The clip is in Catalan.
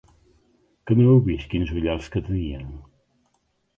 Que no heu vist quins ullals que tenia?